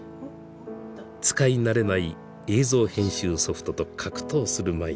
使い慣れない映像編集ソフトと格闘する毎日です。